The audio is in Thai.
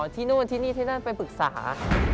ที่นู่นที่นี่ที่นั่นไปปรึกษา